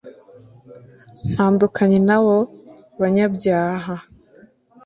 Ntandukanya n abo banyabyaha